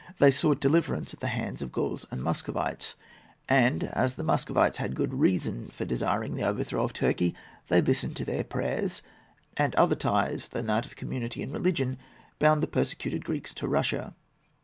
They sought deliverance at the hands of Gauls and Muscovites; and, as the Muscovites had good reason for desiring the overthrow of Turkey, they listened to their prayers, and other ties than that of community in religion bound the persecuted Greeks to Russia.